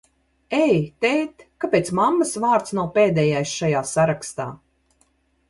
Ei, tēt, kāpēc mammas vārds nav pēdējais šajā sarakstā?